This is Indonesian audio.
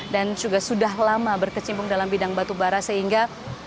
dan juga sudah lama berkecimpung dalam bidang batubara sehingga